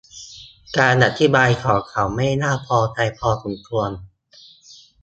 การอธิบายของเขาไม่น่าพอใจพอสมควร